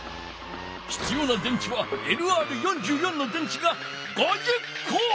ひつような電池はＬＲ４４の電池が５０こ！